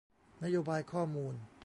นโยบายข้อมูล